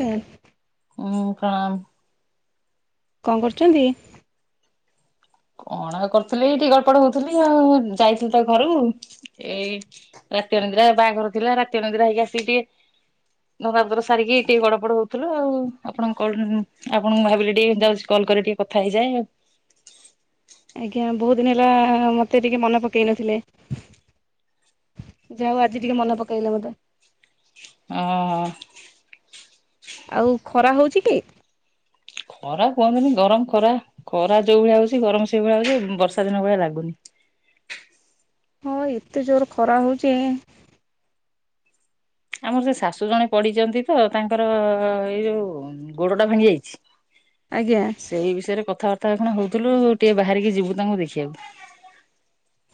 Car ହଁ ପ୍ରଣାମ କଣ କରୁଛନ୍ତି? କଣ ଆଉ କରୁଥିଲି ଏଇଟି ଗଡପଡ଼ ହଉଥିଲି ଆଉ ଯାଇଥିଲି ତ ଘରକୁ ଏଇ ରାତି ନନ୍ଦିରା ବାହାଘର ଥିଲା ରାତି ନନ୍ଦିରା ହେଇକି ଆସିକି ଟିକେ [unintelligible] ସାରିକି ଟିକେ ଗଡ ପଡ ହଉଥିଲୁ ଆଉ ଆପଣଙ୍କ କଲ ଆପଣଙ୍କୁ ଭାବିଲି ଟିକେ ଯାଉଛି କଲ [unintelligible] ଟିକେ କଥା ହେଇଯା ଆଉ [unintelligible] ଆଜ୍ଞା ବହୁତ ଦିନ ହେଲା ମତେ ଟିକେ ମନେ ପକେଇ ନଥିଲେ। ଯାହା ହଉ ଆଜି ଟିକେ ମନେ ପକେଇଲେ ମତେ ଓ ହ ଆଉ ଖରା ହଉଛି କି? ଖରା କୁହନ୍ତୁନି ଗରମ ଖରା ଖରା ଯୋଉ ଭଳିଆ ହଉଛି ଗରମ ସେଇଭଳିଆ ହଉଛି ବର୍ଷା ଦିନ ଭଳିଆ ଲାଗୁନି। ହଁ ଏତେ ଜୋର ଖରା ହଉଛି। ଆମର ସେ ଶାଶୁ ଜଣେ ପଡିଛନ୍ତି ତ ତାଙ୍କର ଏଇ ଯୋଉ ଗୋଡ ଟା ଭାଙ୍ଗି ଯାଇଛି। ଆଜ୍ଞା ସେଇ ବିଷୟରେ କଥାବାର୍ତ୍ତା ତା କଣ ହଉଥିଲୁ ଟିକେ ବାହାରିକି ଯିବୁ ତାଙ୍କୁ ଦେଖିବାକୁ।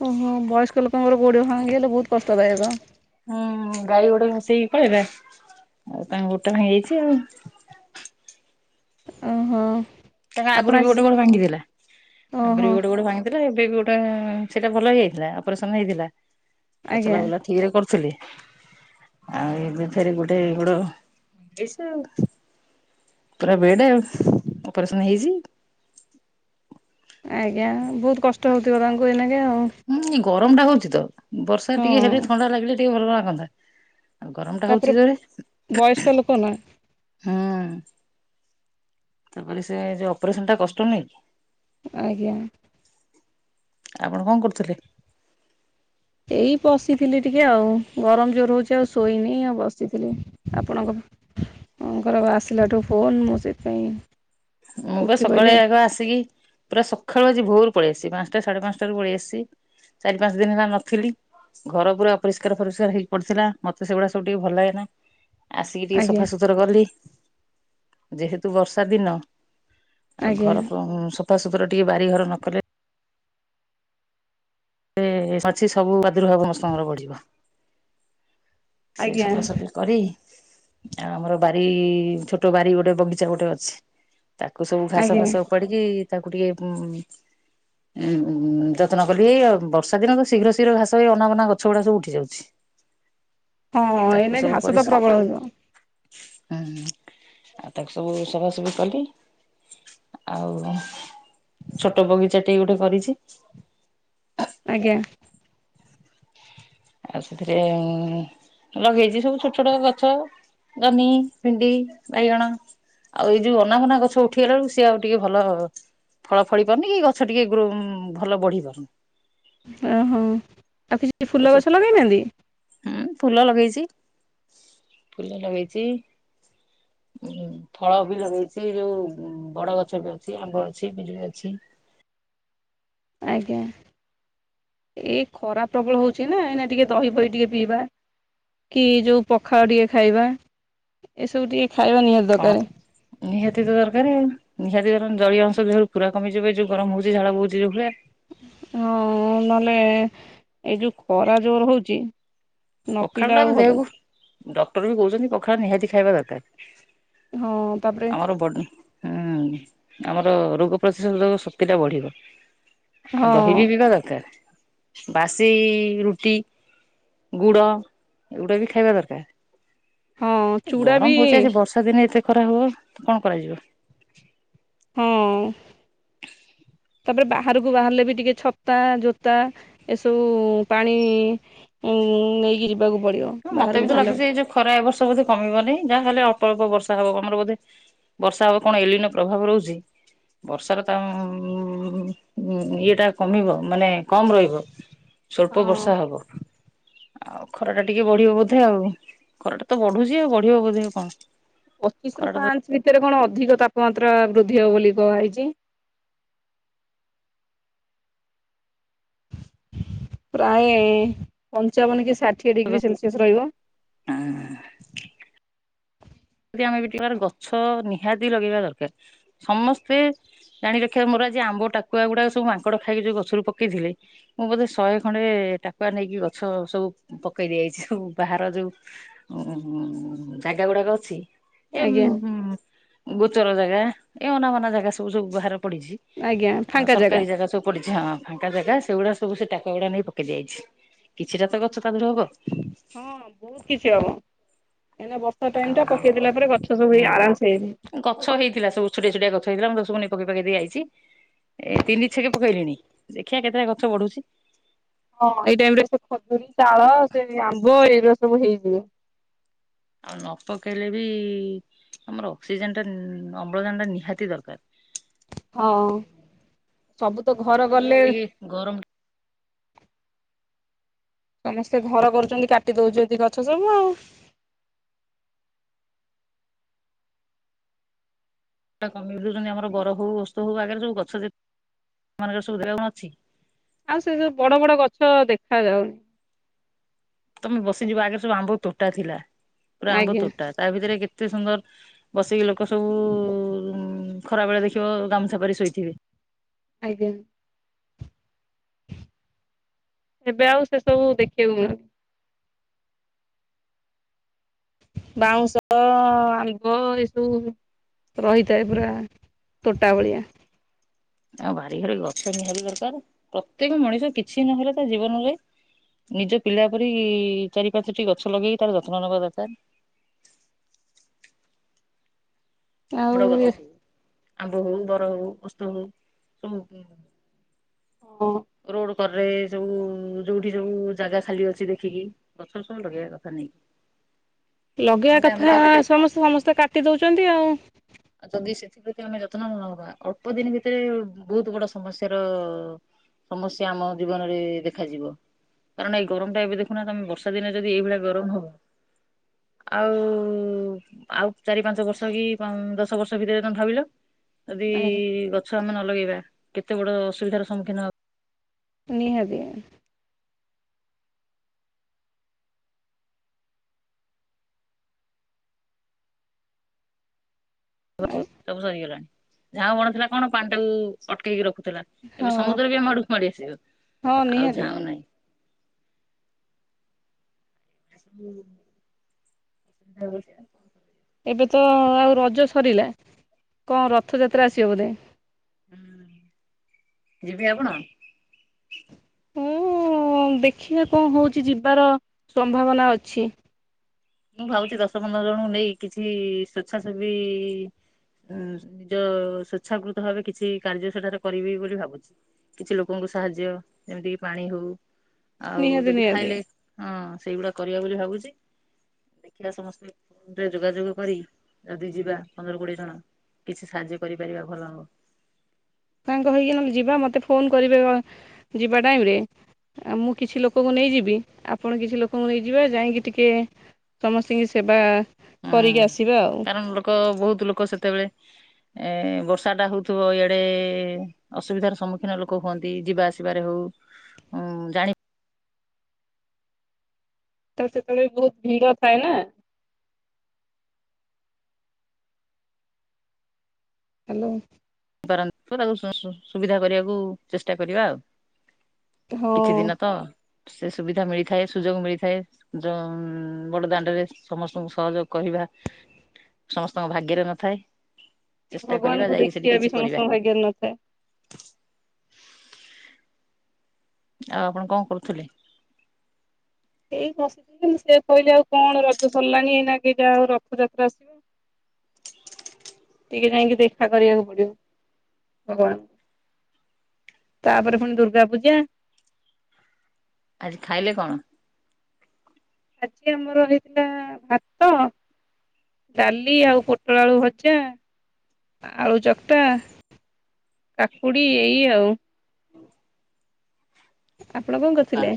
ଓହୋ ବୟସ୍କ ଲୋକଙ୍କର ଗୋଡ ଭାଙ୍ଗି ଗଲେ ବହୁତ କଷ୍ଟଦାୟକ। ହୁଁ ଗାଈ ଉଡ଼େଇଲା ସେଇ ପଳେଇଲା ଆଉ ତଙ୍କ ଗୋଡ଼ ଟା ଭାଙ୍ଗି ଯାଇଛି ଆଉ ଓହୋ ତାଙ୍କ ଆପଣ ଆଗରୁ ବି ଆଜି ଗୋଟେ ଗୋଡ଼ ଭାଙ୍ଗିଥିଲା। ଆଗରୁ ବି ଓହୋ ଗୋଟେ ଗୋଡ଼ ଭାଙ୍ଗିଥିଲା ଏବେ ବି ଗୋଡ଼ ସେଇଟା ଭଲ ହେଇଯାଇଥିଲା ଅପରେସନ ହେଇଥିଲା। ଆଉ ଆଜ୍ଞା ଚଲା ବୁଲା ଠିକ ରେ କରୁଥିଲେ। ଆଉ ଏବେ ଫେରେ ଗୋଡ଼ ଭାଙ୍ଗିଯାଇଛି। ଆଉ ପୁରା ବେଡ ଆଉ ଅପରେସନ ହେଇଛି। ଆଜ୍ଞା ବହୁତ କଷ୍ଟ ହଉଥିବ ତାଙ୍କୁ ଏଇନାକେ ଆଉ ହୁଁ ଏଇ ଗରମ ଟା ହଉଛି ତ ବର୍ଷା ଟିକେ ହେଲେ ହଁ ଥଣ୍ଡା ଲାଗିଲେ ଟିକେ ଭଲ ଲାଗନ୍ତା। ଆଉ ଗରମ ଟା ତାପରେ ହଉଛି ଜୋରେ ବୟସ୍କ ଲୋକ ନା ହୁଁ ତାପରେ ସେ ଯ ଅପରେସନ ଟା କଷ୍ଟ ନୁହଁ କି? ଆଜ୍ଞା ଆପଣ କଣ କରୁଥିଲେ? ଏଇ ବଶିଥିଲି ଟିକେ ଆଉ ଗରମ ଜୋର ହଉଛି ଆଉ ଶୋଇନି ଆଉ ବସିଥିଲି ଆପଣଙ୍କ ଆଁକର ଘର ଆସିଲାଠୁ ଫୋନ୍ ମୁଁ ସେଥିପାଇଁ ମୁଁପା ଉଠି ପଇଲି ସକାଳେ ଆଉ ଆଗ ଆସିକି ପୁରା ସକାଳୁ ଆଜି ଭୋର ପଳେଇ ଆସି ପାଞ୍ଚଟା ସାଢେ ପାଞ୍ଚଟାରୁ ପଳେଇ ଆସି ଚାରି ପାଞ୍ଚ ଦିନ ହେଲା ନଥିଲି। ଘର ପୁରା ଅପରିଷ୍କାର ଅପରିଷ୍କାର ହେଇକି ପଡିଥିଲା ମତେ ସେଗୁଡା ସବୁ ଟିକେ ଭଲ ଲାଗେନା। ଆସିକି ଟିକେ ଆଜ୍ଞା ସଫାସୁତୁରା କଲି। ଯେହେତୁ ବର୍ଷା ଦିନ ଆଉ ଆଜ୍ଞା ଘର ଉ ସଫାସୁତୁରା ଟିକେ ବାରିଘର ନ କଲେ ଏ ଅଛି ସବୁ ପ୍ରାଦୁର୍ଭାବ ସମସ୍ତଙ୍କର ବଢିବ ସେ ଆଜ୍ଞା ସଫାସଫି କରି ଆଉ ଆମର ବାରି ଛୋଟ ବାରି ଗୋଟେ ବଗିଚା ଗୋଟେ ଅଛି। ତାକୁ ସବୁ ଘାସ ଆଜ୍ଞା ଫାସ ଉପାଡିକି ତାକୁ ଟିକେ ଉ ଉଁ ଯତ୍ନ କଲି ଏଇ ବର୍ଷା ଦିନ ତ ଶୀଘ୍ର ଶୀଘ୍ର ଘାସ ହେଇ ଅନାବନା ଗଛ ଗୁଡା ସବୁ ଉଠି ଯାଉଛି। ହଁ ତାକୁ ଏନ ଘାସ ତ ପ୍ରବଳ ହିବ ଆଁ ଆଉ ତାକୁ ସବୁ ସଫସଫି କଲି ଆଉ ଛୋଟ ବଗିଚା ଟେ ଗୋଟେ କରିଚି। ଆଜ୍ଞା ଆଉ ସେଥିରେ ଲଗେଇଚି ସବୁ ଛୋଟ ଛୋଟ ଗଛ ଜହ୍ନି ଭେଣ୍ଡି ବାଇଗଣ ଆଉ ଏଇ ଯୋଉ ଅନାଘନା ଗଛ ଉଠିଗଲା ବେଳକୁ ସିଏ ଆଉ ଟିକେ ଭଲ ଫଳା ଫଳି କରୁନି କି ଗଛ ଟିକେ ଗ୍ରୋ ଭଲ ବଢି ପାରୁନି। ଓହୋ ଆଉ କିଛି ଫୁଲ ହୁଁ ଗଛ ଲଗେଇନାହାନ୍ତି? ଫୁଲ ଲଗେଇଛି ଫୁଲ ଲଗେଇଚି ଉଁ ଫଳ ବି ଲଗେଇଚି ଯୋଉ ବଡ ଗଛ ବି ଅଛି ଆମ୍ବ ଅଛି ପିଜୁଳି ଅଛି। ଆଜ୍ଞା ଏଇ ଖରା ପ୍ରବଳ ହଉଚି ନା ଏଇନା ଟିକେ ଦହି ପହି ଟିକେ ପିଇବା। କି ଯୋଉ ପଖାଳ ଟିକେ ଖାଇବା ଏସବୁ ଟିକେ ଖାଇବା ନିହାତି ଦରକାରେ। ନିହାତି ତ ଦରକାର ଆଉ ନିହାତିର ଜଳୀୟ ଅଂଶ ଯେୁ ପୁରା କମିଯିବ ଯୋଉ ଗରମ ହଉଛି ଝାଳ ବହୁଛି ଯୋଉ ଭଳିଆ। ହଁ ନଲେ ଏଇ ଯୋଉ ଖରା ଜୋର ହଉଚି ପଖାଳ ଟା ଆମେ ଦେହକୁ ଡକ୍ଟର ବି କହୁଛନ୍ତି ପଖାଳ ନିହାତି ଖାଇବା ଦରକାର। ହଁ ତାପରେ ଆମର ବଡ ହୁଁ ଆମର ରୋଗ ପ୍ରତିଶୋଧକ ଶକ୍ତି ଟା ବଢିବ ଆଉ ହଁ ଦହି ବି ପିଇିବା ଦରକାର। ବାସି ରୁଟି ଗୁଡ ଏଗୁଡା ବି ଖାଇବା ହଁ ଦରକାର ଚୁଡ଼ା ବି ଗରମ ହଉଚି ଆଜି ବର୍ଷା ଦିନେ ଏତେ ଖରା ହୋଉ କଣ କରାଯିବ ଅଉଁ ତାପରେ ବାହାରକୁ ବାହାରିଲେ ବି ଟିକେ ଛତା ଜୋତା ଏସବୁ ପାଣି ନେଇିକି ଯି ହଁ ମତେ ବି ତ ଲାଗୁଚି ଏଇ ଯୋଉ ଖରା ଏ ବର୍ଷ ବୋଧେ କମିବନି ଯାହାହଲେ ଅଳ୍ପ ଅଳ୍ପ ବର୍ଷା ହବ ଆମର ବୋଧେ ବର୍ଷା ହବ କଣ ଏଲିନର ପ୍ରଭାବ ରହୁଚି ବର୍ଷାର ତ ଅଁ ଇଏଟା କମିବ ମାନେ କମ ରହିବ ଛୋଟ ହଁ ବର୍ଷା ହବ ଆଉ ଖରାଟା ଟିକେ ବଢିବ ବୋଧେ ଆଉ ଖରା ଟା ତ ବଢୁଛି ଆଉ ବଢିବ ବୋଧେ କଣ ପଚିଶରୁ ଖରାଟା ପାଞ୍ଚ ଏଥିରେ କଣ ଅଧିକ ତାପମାତ୍ରା ବୃଦ୍ଧି ହବ ବୋଲି କୁହାହୋଇଚି। ପ୍ରାୟେ ପଞ୍ଚାବନ କି ଷାଠିଏ ଡିଗ୍ରୀ ସେଲସିଅସ ରହିବ। ଏଁହ [inaudible] ଯେ ଆମେ ବି ଟିକାର ଗଛ ନିହାତି ଲଗେଇବା ଦରକାର ସମସ୍ତେ ଜାଣି ରଖିବା ମୋର ଆଜି ଆମ୍ବ ଟାକୁଆ ଗୁଡାକ ସବୁ ମାଙ୍କଡ ଖାଇକି ଯୋଉ ଗଛରୁ ପକେଇଥିଲେ ମୁଁ ବୋଧେ ଶହେ ଖଣ୍ଡେ ଏ ଟାକୁଆ ନେଇକି ଗଛ ସବୁ ପକେଇ ଦିଆଯାଇଛି ସବୁ ବାହାର ଯୋଉ ଉଁ ଯାଗା ଗୁଡାକ ଅଛି ଏ ଆଜ୍ଞା ଗୋଚର ଜାଗା ଏ ଅନାବନା ଜାଗା ସବୁ ସବୁ ବାହାର ପଡିଚି ଆଜ୍ଞା ଆଉ ଫାଙ୍କା ସରକାରୀ ଜାଗା ସବୁ ପଡିଚି ହଁ ଫାଙ୍କା ଜାଗା ସେଗୁଡା ସବୁ ସେ ଟାକୁଆ ଗୁଡା ନେଇ ପକେଇ ଦିଆଯାଇଛି କିଛିଟା ତ ଗଛ ତାଦେହରୁ ହବ। କାଇଁ ନା ବର୍ଷା ଟାଇମ ଆଉ ଟା ପକେଇଦେଲା ପରେ ଗଛ ସବୁ ହେଇ ହୁଁ। ଆରାମସେ ହେ ଗଛ ହେଇଥିଲା ସବୁ ଛୋଟିଆ ଛୋଟିଆ ଗଛହେଇଥିଲା ମୁଁ କହିଲି ସବୁ ନେ ପକେଇ ପାକେଇ ଦେଇ ଆଇଚି ଏ ତିନି ଛେକେ ପକେଇଲିଣି ଦେଖିଆ କେତେଟା ଗଛ ବଢୁଚି। ହଁ ଏଇ ଟାଇମ ରେ ସେ ଖଜୁରୀ ତାଳ ସେ ଆମ୍ବ ଏଇଗୁଡା ସବୁ ହେଇଯିବ। ଆଉ ନ ପକେଇଲେ ବି ଆମର ଅକ୍ସିଜେନ ଟା ଅମ୍ଳଜାନ ଟା ନିହାତି ଦରକାର। ହଁ ସବୁ ତ ଗଛ ଘର ହେଲେ ବି ଗଲେ ଟିକେ ଗରମ ସମସ୍ତେ ଘର କରୁଛନ୍ତି କାଟି ଦଉଛନ୍ତି ଗଛ ସବୁ ଆଉ! [unintelligible] କମୁ ଯେମି ଆମର ବର ହଉ ଓସ୍ତ ହଉ ଆଗରେ ସବୁ ଗଛ ଯେ ଏମାନଙ୍କର ସୁବିଧା କଣ ଅଛି? ଆଉ ସେ ସବୁ ବଡ ବଡ ଗଛ ଦେଖା ଯାଉନି। ତମେ ବସିଯିବ ଆଗରେ ସବୁ ଆମ୍ବ ତୋଟା ଥିଲା ପୁରା ଆମ୍ବ ଆଜ୍ଞା ତୋଟା ତା ଭିତରେ କେତେ ଏତେ ସୁନ୍ଦର ବସିକି ଲୋକ ସବୁ ଖରା ବେଳେ ଦେଖିବ ଗାମୁଛା ପାରି ଶୋଇଥିବେ। ଆଜ୍ଞା! ଏବେ ଆଉ ସେସବୁ ଦେଖିବାକୁ ବାଉଁଶ ଆମ୍ୱ ଏସବୁ ରହିଥାଏ ପୁରା ତୋଟା ଭଳିଆ। ଆଉ ବାରିଘରେ ଗଛ ନିହାତି ଦରକାର। ପ୍ରତ୍ୟେକ ମଣିଷ କିଛି ନହେଲେ ତା ଜୀବନରେ ନିଜ ପିଲା ପରି ଚାରି ପାଞ୍ଚଟି ଗଛ ଲଗେଇ ତାର ଯତ୍ନ ନେବା ଦରକାର। [inaudible] ବଡ ଆଉ ଗଛ ଏ। ସବୁ ଆମ୍ବ ହଉ ବର ହଉ ଓସ୍ତ ହଉ ସବୁ ହଁ ରୋଡ। ଘରେ ସବୁ ଯୋଉଠି ସବୁ ଜାଗା ଖାଲି ଅଛି ଦେଖିକି ଗଛ ସବୁ ଲଗେଇବା କଥା ନେଇକି। ଲଗେଇବା ନହେଲେ ଆମେ ତ କଥା ଖ ସମସ୍ତେ ସମସ୍ତେ କାଟି ଦଉଛନ୍ତି ଆଉ। ଆଉ ଯଦି ସେଥିପ୍ରତି ଆମେ ଯତ୍ନ ନ ନବା ଅଳ୍ପ ଦିନ ଭିତରେ ବହୁତ ବଡ ସମସ୍ୟାର ସମସ୍ୟା ଆମ ଜୀବନରେ ଦେଖାଯିବ। କାରଣ ଏଇ ଗରମଟା ଏବେ ଦେଖୁନ ତମେ ବର୍ଷା ଦିନେ ଯଦି ଏଇଭଳିଆ ଗରମ ହବ। ଆଉ ଆଉ ଚାରି ପାଞ୍ଚ ବର୍ଷ କି ଦଶ ସବୁ ସୁବିଧା ତମେ ଭାବିଲ ଯଦି ଗ ଗଛ ନ ଲଗେଇବା କେତେ ବଡ ଅସୁବିଧାର ସମ୍ମୁଖୀନ ହବ। ନିହାତି। ଆଉ ସବୁ ସରିଗଲାଣି। ଝାଉଁ ବଣ ଥିଲା କଣ ପାଣି ଟାକୁ ଅଟକେଇକି ରଖୁଥିଲା। ଏବେ ହଁ ସମୁଦ୍ର ବି ଆମେ ଆଡକୁ ମାଡି ଆସିବ। ହଁ ଆଉ ନିହାତି ଝାଉଁ ନାହିଁ। ହୁଁ ସମସ୍ୟା। ଏବେ ତ ଆଉ ରଜ ସରିଲା। କଣ ରଥଯାତ୍ରା ଆସିବ ବୋଧେ। ଯିବେ ଆପଣ? ହୁଁ ଦେଖିବା କଣ ହଉଛି ଯିବାର ସମ୍ଭାବନା ଅଛି। ମୁଁ ଭାବୁଛି ଦଶ ପନ୍ଦର ଜଣଙ୍କୁ ନେଇ କିଛି ସ୍ଵେଚ୍ଛାସେବୀ ଉଁ ନିଜ ସ୍ଵେଚ୍ଛାକୃତ ଭାବେ କିଛି କାର୍ଯ୍ୟ ସେଠାରେ କରିବି ବୋଲି ଭାବୁଛି କିଛି ଲୋକଙ୍କ ସାହାଯ୍ୟ ଏମିତି କି ପାଣି ହଉ ଆଉ ନିହାତି ଯଦି ନିହାତି ଖାଇଲେ ହଁ ସେଇଗୁଡା କରିବା ବୋଲି ଭାବୁଛି। ଦେଖିବା ସମସ୍ତେ ଫୋନରେ ଯୋଗାଯୋଗ କରି ଯଦି ଯିବା ପନ୍ଦର କୋଡିଏ ଜଣ କିଛି ସାହାଯ୍ୟ କରିପାରିବା ଭଲ ହବ। ତାଙ୍କ ହେଇକି ନହେଲେ ଯିବା ମୋତେ ଫୋନ କରିବେ ଯିବା ଟାଇମରେ। ମୁଁ - କିଛି ଲୋକଙ୍କୁ ନେଇଯିବି ଆପଣ କିଛି ଲୋକଙ୍କୁ ନେଇଯିବେ ଯାଇକି ଟିକିେ ସମସ୍ତିଙ୍କି ସେବା କରିକି ଆସିବା ଆଉ ହୁଁ କାରଣ ଲୋକ ବହୁତ ଲୋକ ସେତେବେଳେ ଏ ବର୍ଷାଟା ହଉଥିବ ଇଆଡେ ଅସୁବିଧାର ସମ୍ମୁଖୀନ ଲୋକ ହୁଅନ୍ତି ଯିବା ଆସିବାରେ ହଉ ହୁଁ ଜାଣି ତ ସେତେବେଳେ ବି ବହୁତ ଭିଡ ଥାଏ ନା। ହ୍ୟାଲୋ। [unintelligible] ସୁବିଧା କରିବାକୁ ଚେଷ୍ଟା କରିବା ଆଉ। ହଁ କିଛି ଦିନ ତ। ସେ ସୁବିଧା ମିଳିଥାଏ ସୁଯୋଗ ମିଳିଥାଏ ଯ ବଡ ଦାଣ୍ଡରେ ସମସ୍ତଙ୍କୁ ସହଯୋଗ କରିବା। ସମସ୍ତଙ୍କ ଭାଗ୍ୟରେ ନଥାଏ। ଚେଷ୍ଟା କରିବା ଭଗବାନଙ୍କୁ ଯାଇକି ସେଠି ଦେଖିବା କିଛି ବି କରିବା ସମସ୍ତଙ୍କ ଭାଗ୍ୟରେ ନଥାଏ। ଆଉ ଆପଣ କଣ କରୁଥିଲେ। ଏଇ ବସିଥିଲି ସେ କହିଲେ ଆଉ କଣ ରଜ ସରିଲାଣି ଏଇନା କେଟା ଆଉ ରଥଯାତ୍ରା ଆସିବ। ଟିକେ ଯାଇକି ଦେଖା କରିବାକୁ ପଡିବ ଭଗବାନଙ୍କୁ। ତାପରେ ପୁଣି ଦୁର୍ଗା ପୂଜା। ଆଜି ଖାଇଲେ କଣ? ଆଜି ଆମର ହେଇଥିଲା ଭାତ। ଡାଲି ଆଉ ପୋଟଳ ଆଳୁ ଭଜା ଆଳୁ ଚକଟା। କାକୁଡି ଏଇ ଆଉ। ଆପଣ କଣ ଆ କରୁଥିଲେ।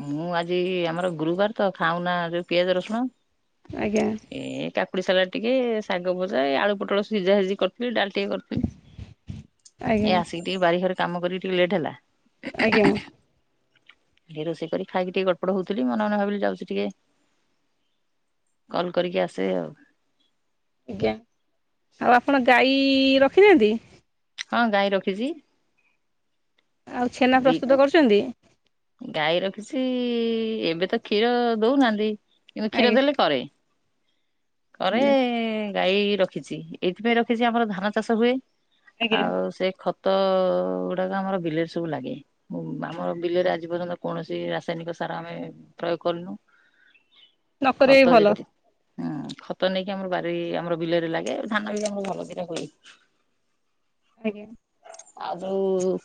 ମୁଁ ଆଜି ଆମର ଗୁରୁବାର ତ ଖାଉ ନା ଯୋଉ ପିଆଜ ରସୁଣ। ଆଜ୍ଞା ଏ କାକୁଡି ସାଲାଟ ଟିକେ ଶାଗ ଭଜା ଏଇ ଆଳୁ ପୋଟଳ ସିଝା ସିଜିି କରିଥିଲ ଡାଲି। ଟିକେ କରଥିଲି ଆଜ୍ଞା ଏ ଆସିକି ଟିକେ ବାରିଘରେ କାମ କରିକି ଟିକେ ଲେଟ୍ ହେଲା। ଆଜ୍ଞା। ଟିକେ ରୋଷେଇ କରି ଖାଇକି ଟିକେ ଗଡ ପଡ ହଉଥିଲି ମନେ ମନେ ଭାବିଲି ଯାଉଛି ଟିକେ। କଲ୍ କରିକି ଆସେ ଆଉ। ଆଜ୍ଞା ଆଉ ଆପଣ ଗାଈ ରଖିନାହାନ୍ତି। ହଁ ଗାଈ ରଖିଛି। ଆଉ ଛେନା ଦି ପ୍ରସ୍ତୁତ କରୁଛନ୍ତି। ଗାଈ ରଖିଛି ଏବେ ତ କ୍ଷୀର ଦଉନାହାନ୍ତି କିନ୍ତୁ କ୍ଷୀର ଆଜ୍ଞା ଦେଲେ କରେ। କରେ ଗାଈ ରଖିଛି ଏଇଥିପାଇଁ ରଖିଛି ଆମର ଧାନ ଚାଷ ହୁଏ। ଆଜ୍ଞା ଆଉ ସେଇ ଖତ ଗୁଡାକ ଆମର ବିଲରେ ସବୁ ଲାଗେ ଆମର ବିଲରେ ଆଜି। ଏପର୍ଯ୍ୟନ୍ତ କୌଣସି ରାସାୟନିକ ସାର ଆମେ ପ୍ରୟୋଗ କରିନୁ। ନ କରେ ଖତ ଭଲ। ଯେତି ହୁଁ ଖତ ନେଇକି ଆମର ବାରି ଆମର ବିଲରେ ଲାଗେ ଧାନ ବି ଆମର ଭଲ ଦିଇଟା ହୁଏ। ଆଜ୍ଞା। ଆଉ ଯୋଉ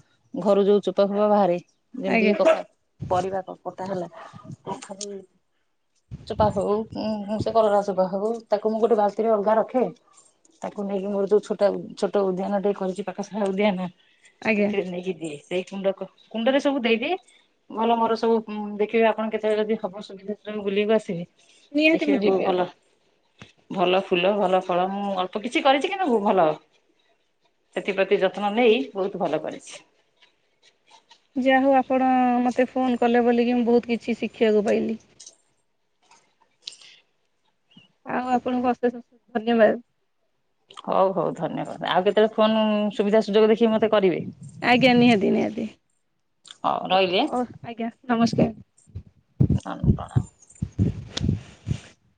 ଘରୁ ଯୋଉ ଚୋପା ଫୋପା ବାହାରେ। ଯେମିତି କି ଆଜ୍ଞା। କଟା ପରିବା କ କଟା ହେଲା ତଥାବି। ଚୋପା ହଉ ସେ କଲରା ଚୋପା ହଉ ତାକୁ ମୁଁ ଗୋଟେ ବାଲଟି ରେ ଅଲଗା ରଖେ। ତାକୁ ନେଇକି ମୋର ଯୋଉ ଛୋଟ ଛୋଟ ଉଦ୍ୟାନ ଟିଏ କରିଛି ପାଖସା ଉଦ୍ୟାନ। ଆଜ୍ଞା ସେଥିରେ ନେଇକି ଦିଏ ସେଇ କୁଣ୍ଡ କୁଣ୍ଡରେ ସବୁ ଦେଇଦିଏ। ଭଲ ମୋର ସବୁ ଦେଖିବେ ଆପଣ କେତେବେଳେ ଯଦି ହବ ସୁବିଧା ସେତେବେଳେ ବୁଲିବାକୁ ଆସିବେ। ନିହାତି ଦେଖିବେ ମୁଁ ବହୁ ଯିବି ଭଲ ଆଉ। ଭଲ ଫୁଲ ଭଲ ଫଳ ମୁଁ ଅଳ୍ପ କିଛି କରିଛି କିନ୍ତୁ ଭଲ। ସେଥିପ୍ରତି ଯତ୍ନ ନେଇ ବହୁତ ଭଲ କରିଛି। ଯା ହଉ ଆପଣ ମୋତେ ଫୋନ୍ କଲେ ବୋଲିକି ମୁଁ ବହୁତ କିଛି ଶିଖିବାକୁ ପାଇଲି। ଆଉ ଆପଣଙ୍କୁ ଅଶେଷ ଧନ୍ୟବାଦ୍। ହଉ ହଉ ଧନ୍ୟବାଦ ଆଉ କେତେବେଳେ ଫୋନ ସୁବିଧା ସୁଯୋଗ ଦେଖିକି ମତେ କରିବେ। ଆଜ୍ଞା ନିହାତି ନିହାତି। ହଉ ରହିଲି ଆଁ। ହୋଉ ଆଜ୍ଞା ନମସ୍କାର୍। ନା ନୁ ପ୍ରଣାମ।